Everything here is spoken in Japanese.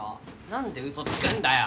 何でウソつくんだよ！